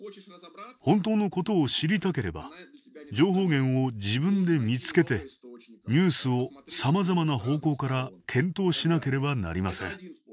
本当のことを知りたければ情報源を自分で見つけてニュースをさまざまな方向から検討しなければなりません。